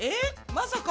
まさか！